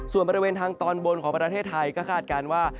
ส่วนบริเวณทางตอนบนของประเทศไทยก็คาดการณ์ว่า